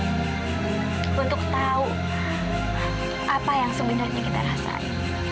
dan kita butuh waktu untuk tahu apa yang sebenarnya kita rasai